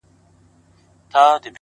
نو به په هغه ورځ کيسه د بېوفا واخلمه-